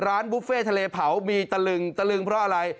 บุฟเฟ่ทะเลเผามีตะลึงตะลึงเพราะอะไร